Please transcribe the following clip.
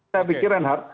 saya pikir renhard